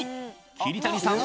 桐谷さん